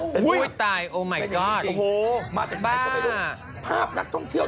เป็นจริงจริงจริงมาจากไหนก็ไม่รู้ภาพนักท่องเที่ยว